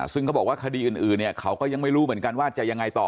ซึ่งเขาบอกว่าคดีอื่นเขาก็ยังไม่รู้กันว่าจะยังไงต่อ